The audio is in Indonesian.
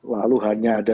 lalu hanya ada